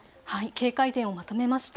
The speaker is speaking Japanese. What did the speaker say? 警戒点をまとめました。